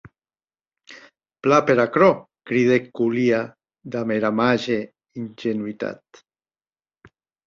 Plan per aquerò, cridèc Kolia damb era màger ingenuitat.